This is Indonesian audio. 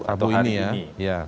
atau hari ini